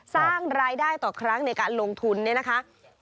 สร้างรายได้ต่อครั้งในการลงทุนเนี่ยนะคะ